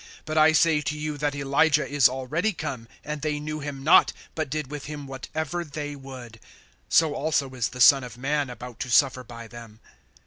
(12)But I say to you, that Elijah is already come, and they knew him not, but did with him whatever they would. So also is the Son of man about to suffer by them.